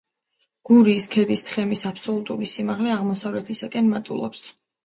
გურიის ქედის თხემის აბსოლუტური სიმაღლე აღმოსავლეთისაკენ მატულობს.